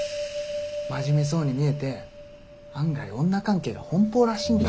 真面目そうに見えて案外女関係が奔放らしいんだよ。